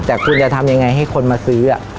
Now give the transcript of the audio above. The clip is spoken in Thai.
แต่คุณจะทำยังไงให้คนมาซื้อ